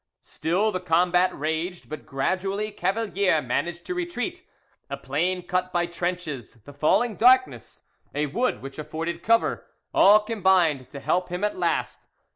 Still the combat raged; but gradually Cavalier managed to retreat: a plain cut by trenches, the falling darkness, a wood which afforded cover, all combined to help him at last.